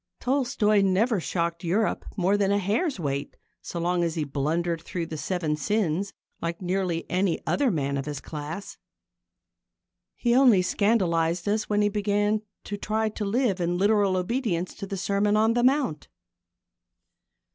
Tolstoi never shocked Europe more than a hair's weight so long as he blundered through the seven sins like nearly any other man of his class. He only scandalised us when he began to try to live in literal obedience to the Sermon on the Mount.